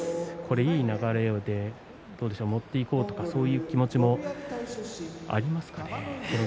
いい流れで持っていこうとかそういう気持ちもありますかね。